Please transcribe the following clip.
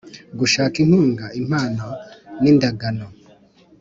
Gushaka inkunga impano n indagano